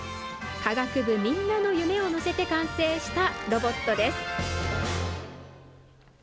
科学部みんなの夢を乗せて完成したロボットです。